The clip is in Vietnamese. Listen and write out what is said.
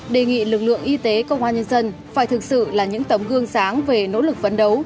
đề nghị lực lượng y tế công an nhân dân phải thực sự là những tấm gương sáng về nỗ lực phấn đấu